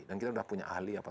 dan kita sudah punya ahli apa